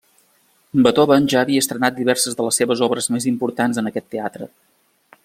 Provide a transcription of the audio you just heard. Beethoven ja havia estrenat diverses de les seves obres més importants en aquest teatre.